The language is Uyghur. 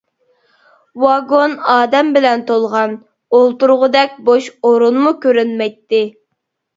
ۋاگون ئادەم بىلەن تولغان، ئولتۇرغۇدەك بوش ئورۇنمۇ كۆرۈنمەيتتى.